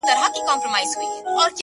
ستا په تعويذ كي به خپل زړه وويني”